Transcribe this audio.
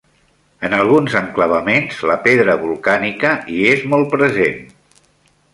En alguns enclavaments, la pedra volcànica hi és molt present.